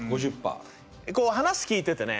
こう話聞いててね